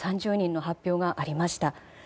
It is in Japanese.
３０人の発表がありました。